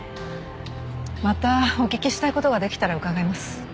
またお聞きしたい事が出来たら伺います。